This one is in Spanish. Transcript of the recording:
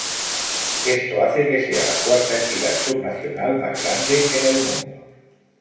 Esto hace que sea la cuarta entidad subnacional más grande en el mundo.